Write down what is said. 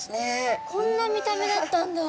こんな見た目だったんだ！